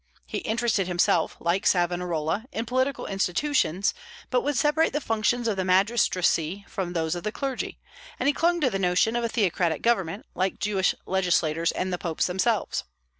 He interested himself, like Savonarola, in political institutions, but would separate the functions of the magistracy from those of the clergy; and he clung to the notion of a theocratic government, like Jewish legislators and the popes themselves.